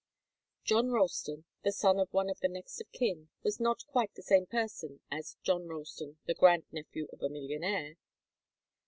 John Ralston, the son of one of the next of kin, was not quite the same person as Jack Ralston, the grand nephew of a millionaire.